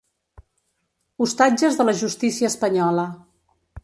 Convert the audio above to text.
Ostatges de la justícia espanyola